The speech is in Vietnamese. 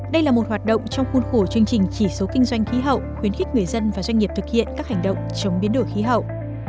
đây là một hoạt động trong khuôn khổ chương trình chỉ số kinh doanh khí hậu khuyến khích người dân và doanh nghiệp thực hiện các hành động chống biến đổi khí hậu